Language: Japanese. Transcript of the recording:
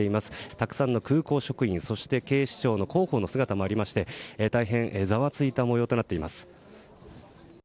たくさんの空港職員警視庁の広報の姿もありまして大変ざわついた模様となっています。